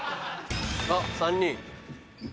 あっ３人。